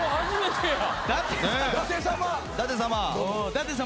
舘様。